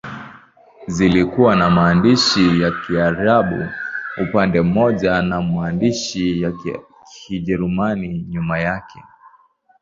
Zilikuwa na maandishi ya Kiarabu upande mmoja na maandishi ya Kijerumani nyuma yake.